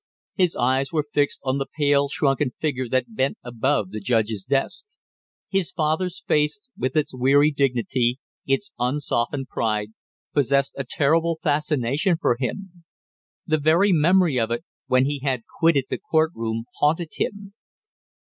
His eyes were fixed on the pale shrunken figure that bent above the judge's desk. His father's face with its weary dignity, its unsoftened pride, possessed a terrible fascination for him; the very memory of it, when he had quitted the court room, haunted him!